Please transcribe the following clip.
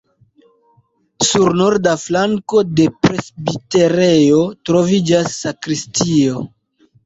Sur norda flanko de presbiterejo troviĝas sakristio.